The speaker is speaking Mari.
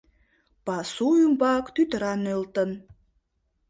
Пасу ӱмбак тӱтыра нӧлтын.